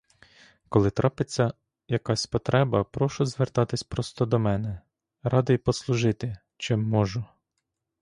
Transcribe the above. Коли трапиться якась потреба, прошу звертатися просто до мене, — радий послужити, чим можу.